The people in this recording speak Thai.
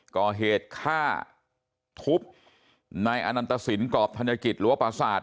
ก็เหตุฆ่าทุบในอนัตสินกรอบธนกิจรัวปศาสตร์